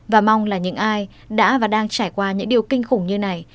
và mong là những ai đã và đang trải qua những điều kinh khủng như này